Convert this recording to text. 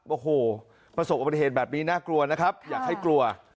โอ้โหประสบอุบัติเหตุแบบนี้น่ากลัวนะครับอยากให้กลัว